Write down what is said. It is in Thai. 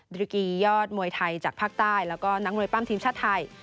ริกียอดมวยไทยจากภาคใต้แล้วก็นักมวยปั้มทีมชาติไทย